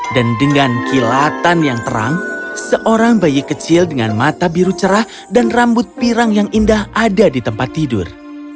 dan dengan kilatan yang terang seorang bayi kecil dengan mata biru cerah dan rambut pirang yang indah ada di tempat tidur